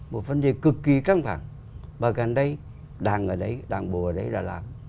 một vấn đề cực kỳ căng thẳng mà gần đây đảng ở đây đảng bộ ở đây đã làm